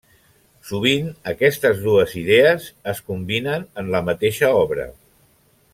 Sovint aquestes dues idees es combinen en la mateixa obra.